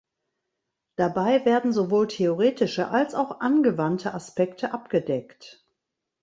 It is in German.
Dabei werden sowohl theoretische als auch angewandte Aspekte abgedeckt.